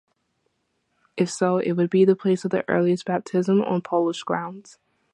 If so, it would be the place of the earliest baptism on Polish grounds.